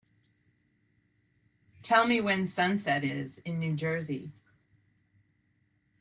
Tell me when Sunset is in New Jersey